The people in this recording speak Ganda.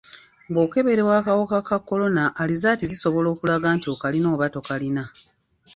Bw'okeberwa akawuka ka kolona alizaati zisobola okulaga nti okalina oba tokalina.